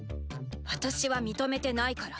私は認めてないから。